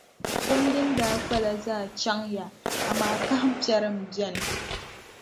Pum din daa kpala zaa chaŋya, amaa kahimpiɛri m-be ni.